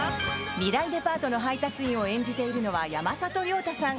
未来デパートの配達員を演じているのは山里亮太さん。